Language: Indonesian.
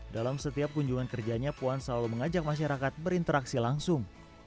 dalam setiap kunjungan kerjanya puan selalu mengajak masyarakat berinteraksi langsung